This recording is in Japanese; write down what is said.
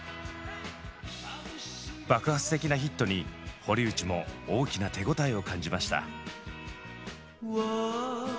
爆発的なヒットに堀内も大きな手応えを感じました。